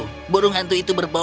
ketika aku menemukan tempo